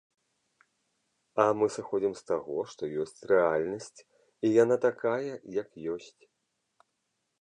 А мы сыходзім з таго, што ёсць рэальнасць, і яна такая, як ёсць.